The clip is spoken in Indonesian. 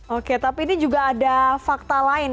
oke tapi ini juga ada fakta lain